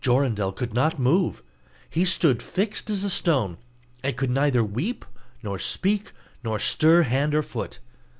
Jorindel could not move; he stood fixed as a stone, and could neither weep, nor speak, nor stir hand or foot.